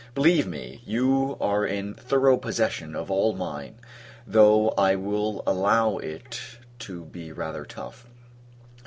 Believe me, you are in thorough possession of all mine, though I will allow it to be rather tough.